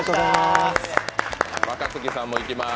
若槻さんも行きまーす。